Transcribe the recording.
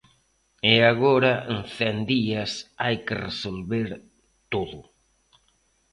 E agora en cen días hai que resolver todo.